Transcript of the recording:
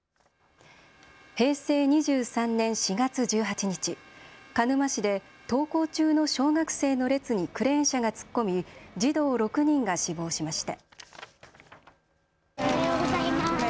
平成２３年４月１８日、鹿沼市で登校中の小学生の列にクレーン車が突っ込み児童６人が死亡しました。